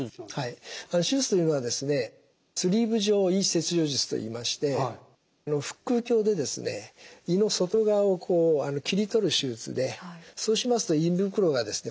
手術というのはですねスリーブ状胃切除術といいまして腹腔鏡でですね胃の外側をこう切り取る手術でそうしますと胃袋がですね